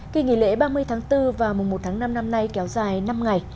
kỳ nghỉ lễ ba mươi tháng bốn và mùa một tháng năm năm nay kéo dài năm ngày